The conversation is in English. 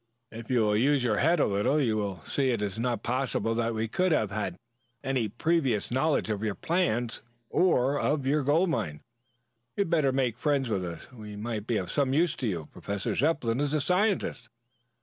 If you will use your head a little you will see it is not possible that we could have had any previous knowledge of your plans or of your gold mine. You had better make friends with us. We might be of some use to you. Professor Zepplin is a scientist.